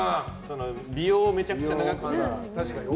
美容、めちゃくちゃ長くね。